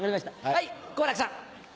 はい好楽さん。